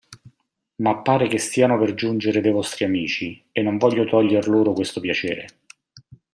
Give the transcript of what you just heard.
Ma pare che stiano per giungere de' vostri amici e non voglio toglier loro questo piacere.